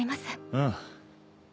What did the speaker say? ああ。